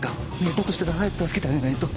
だとしたら早く助けてあげないと。